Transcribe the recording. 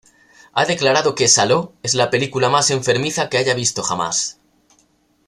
Ha declarado que "Saló" es la película más enfermiza que haya visto jamás.